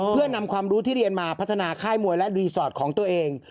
เพื่อนำความรู้ที่เรียนมาพัฒนาค่ายมวยและรีสอร์ทของตัวเอง